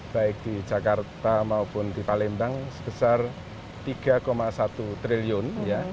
baik di jakarta maupun di palembang sebesar rp tiga satu triliun